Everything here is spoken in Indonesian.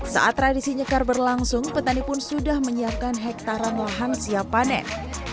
saat tradisi nyekar berlangsung petani pun sudah menyiapkan hektaran lahan siap panen